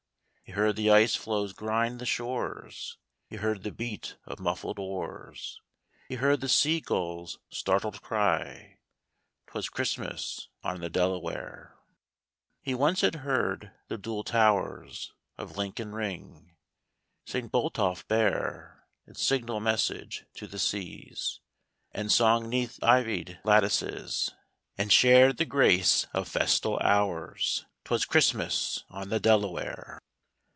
He heard the ice floes grind the shores. He heard the beat of muffled oars, He heard the sea gull's startled cry ; 'Twas Christmas on the Delaware. He once had heard the dual towers Of Lincoln ring ; St. Botolph bear Its signal message to the seas ; And sung 'neath ivied lattices And shared the grace of festal hours ; 'Twas Christmas on the Delaware. 91 92 " 'tWAS CHRISTMAS ON THE DELAWARE."